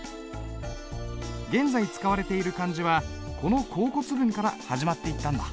現在使われている漢字はこの甲骨文から始まっていったんだ。